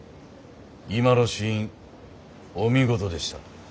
今のシーンお見事でした。